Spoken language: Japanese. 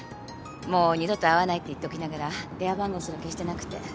もう二度と会わないって言っときながら電話番号すら消してなくて。